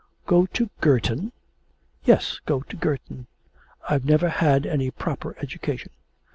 'Go to Girton!' 'Yes, go to Girton. I've never had any proper education.